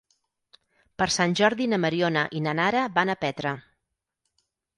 Per Sant Jordi na Mariona i na Nara van a Petra.